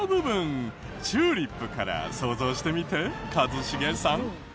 チューリップから想像してみて一茂さん。